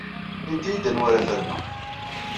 Init-iyi-d anwa ara ferneɣ.